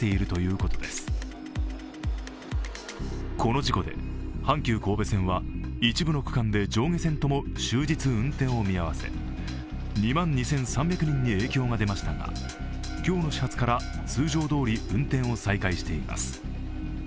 この事故で、阪急神戸線は一部の区間で上下線とも終日運転を見合わせ２万２３００人に影響が出ましたが今日の始発から通常どおり運転を再開しています。